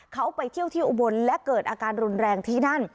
เขาไปเที่ยวที่อุบลและเกิดอาการรุนแรงที่นั่น